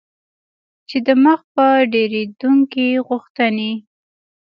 چې د مخ په ډیریدونکي غوښتنې